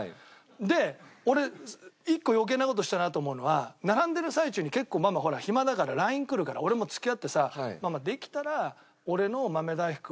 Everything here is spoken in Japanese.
で俺一個余計な事したなと思うのは並んでる最中に結構ママほら暇だからＬＩＮＥ来るから俺も付き合ってさ「ママ」。